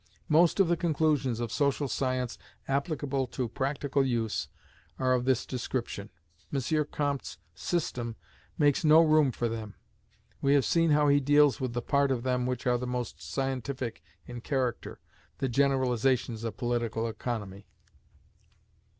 Most of the conclusions of social science applicable to practical use are of this description. M. Comte's system makes no room for them. We have seen how he deals with the part of them which are the most scientific in character, the generalizations of political economy.